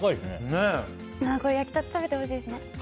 これ、焼きたて食べてほしいですね。